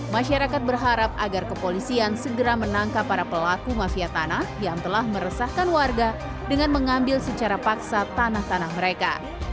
masyarakat berharap agar kepolisian segera menangkap para pelaku mafia tanah yang telah meresahkan warga dengan mengambil secara paksa tanah tanah mereka